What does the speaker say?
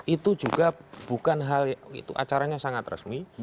itu juga bukan hal itu acaranya sangat resmi